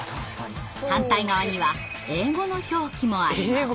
反対側には英語の表記もあります。